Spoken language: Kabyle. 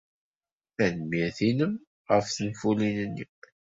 Tanemmirt-nnem ɣef tenfulin-nni.